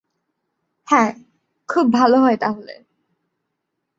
হ্যাঁ, খুব ভালো হয় তাহলে।